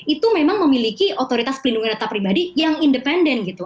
itu memang memiliki otoritas pelindungan data pribadi yang independen gitu